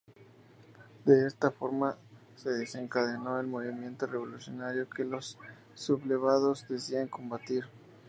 De esta forma, se desencadenó el movimiento revolucionario que los sublevados decían combatir.